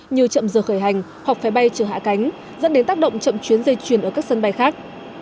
như chậm giờ khởi hành hoặc phải bay trừ hạ cánh dẫn đến tác động chậm chuyến dây chuyền ở các sân bay khác